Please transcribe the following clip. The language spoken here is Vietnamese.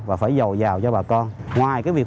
và phải giàu cho bà con ngoài cái việc